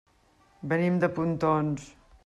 Venim de Pontons.